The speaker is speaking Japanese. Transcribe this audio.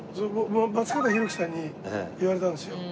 松方弘樹さんに言われたんですよ。